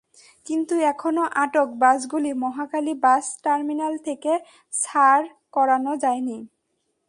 কিন্তু এখনো আটক বাসগুলি মহাখালী বাস টার্মিনাল থেকে ছাড় করানো যায়নি।